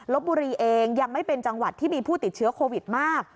บุรีเองยังไม่เป็นจังหวัดที่มีผู้ติดเชื้อโควิดมาก